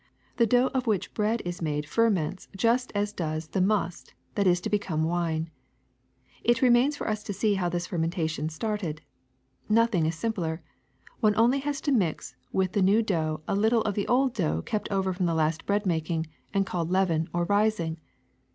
The dough of which bread is made ferments just as does the must that is to become wine. It remains for us to see how this fermentation started. Nothing is simpler: one has only to mix with the new dough a little of the old dough kept over from the last bread making and called leaven. or rising.